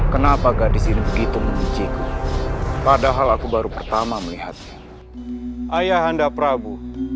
kenapa gadis ini begitu mengunciku padahal aku baru pertama melihat ayah anda prabu